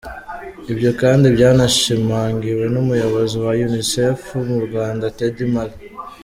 Ibyo kandi byanashimangiwe n’umuyobozi wa Unicef mu Rwanda Ted Maly.